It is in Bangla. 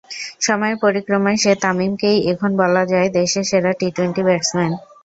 সময়ের পরিক্রমায় সেই তামিমকেই এখন বলা যায় দেশের সেরা টি-টোয়েন্টি ব্যাটসম্যান।